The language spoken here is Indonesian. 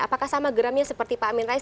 apakah sama geramnya seperti pak amin rais